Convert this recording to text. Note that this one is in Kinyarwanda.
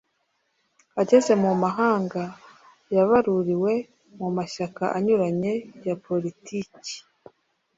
Ageze mu mahanga yabaruriwe mu mashyaka anyuranye ya politiki